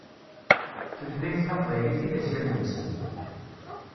D tutlayt taqbaylit i d asirem-nsen.